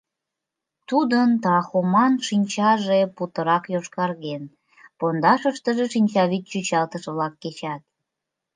Тудын трахоман шинчаже путырак йошкарген, пондашыштыже шинчавӱд чӱчалтыш-влак кечат...